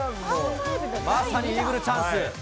まさにイーグルチャンス。